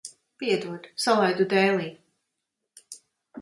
Piedod, salaidu dēlī.